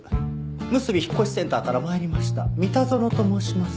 むすび引越センターから参りました三田園と申します。